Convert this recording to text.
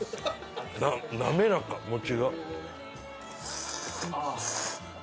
滑らか餅が。